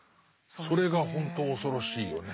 それがほんと恐ろしいよね。